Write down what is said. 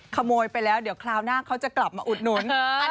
ขโมยไปแล้วเดี๋ยวคราวหน้าเขาจะกลับมาอุดหนุน